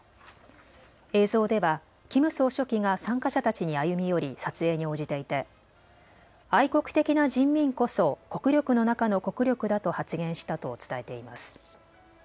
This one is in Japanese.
映像ではキム総書記が参加者たちに歩み寄り撮影に応じていて愛国的な人民こそ国力の中の国力だと発言したと伝えています。